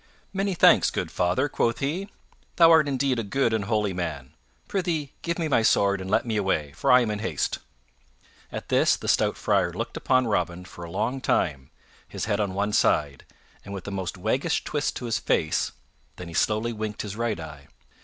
"Many thanks, good father," quoth he. "Thou art indeed a good and holy man. Prythee give me my sword and let me away, for I am in haste." At this the stout Friar looked upon Robin for a long time, his head on one side, and with a most waggish twist to his face; then he slowly winked his right eye.